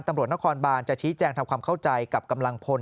ตำรวจนครบานจะชี้แจงทำความเข้าใจกับกำลังพล